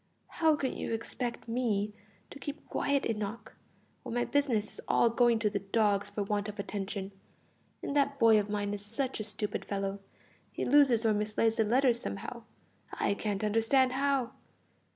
"How can you expect me to keep quiet, Enoch, when my business is all going to the dogs for want of attention? And that boy of mine is such a stupid fellow; he loses or mislays the letters somehow I can't understand how.